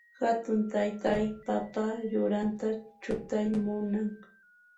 Hatun taytay papa yuranta chutayta munan.